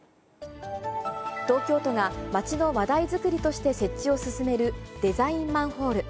東京都が街の話題作りとして設置を進めるデザインマンホール。